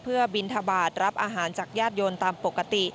เพื่อบิณฑบาลรับอาการจักรยาตน์ยนต์ตามปกติ